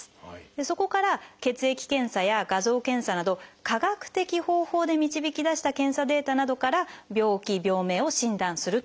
そこから血液検査や画像検査など科学的方法で導き出した検査データなどから病気・病名を診断するというものなんです。